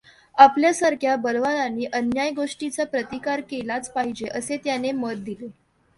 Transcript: आपल्यासारख्या बलवानानी अन्याय्य गोष्टीचा प्रतिकार केलाच पाहिजे असे त्याने मत दिले.